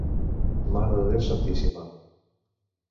Mare de Déu santíssima!